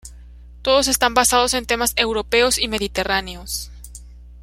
Todos están basados en temas europeos y mediterráneos.